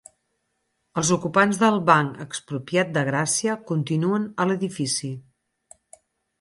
Els ocupants del Banc Expropiat de Gràcia continuen a l'edifici